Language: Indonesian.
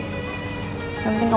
apa saat semuanya terbongkar